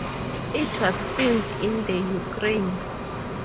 It was filmed in the Ukraine.